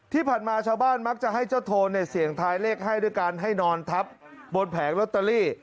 ที่ผ่านมาชาวบ้านมักจะให้เจ้าโทนเสี่ยงทายเลขให้ด้วยการให้นอนทับบนแผงลอตเตอรี่